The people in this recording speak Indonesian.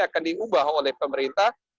akan diubah oleh pemerintah